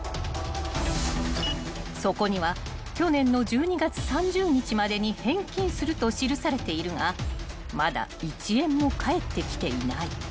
［そこには去年の１２月３０日までに返金すると記されているがまだ一円も返ってきていない］